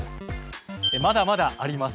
まだまだあります。